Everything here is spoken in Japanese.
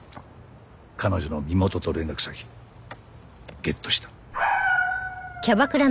彼女の身元と連絡先ゲットした。